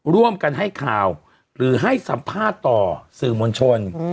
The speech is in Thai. ร่วมกันให้ข่าวหรือให้สัมภาษณ์ต่อสื่อมวลชน